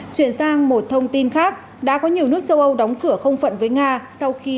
chuyển sang một thông tin khác đã có nhiều nước châu âu đóng cửa không phận với nga sau khi